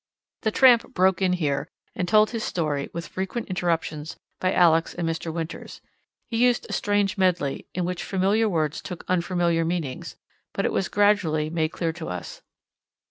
The tramp broke in here, and told his story, with frequent interpretations by Alex and Mr. Winters. He used a strange medley, in which familiar words took unfamiliar meanings, but it was gradually made clear to us.